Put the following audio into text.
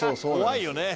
「怖いよね